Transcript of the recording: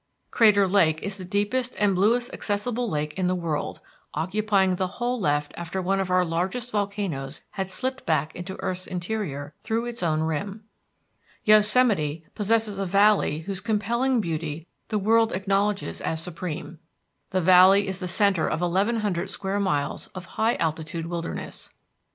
Crater Lake is the deepest and bluest accessible lake in the world, occupying the hole left after one of our largest volcanoes had slipped back into earth's interior through its own rim. [Illustration: GENERAL GRANT TREE It has a National Park all to itself] Yosemite possesses a valley whose compelling beauty the world acknowledges as supreme. The valley is the centre of eleven hundred square miles of high altitude wilderness.